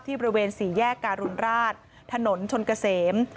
บริเวณสี่แยกการุณราชถนนชนเกษม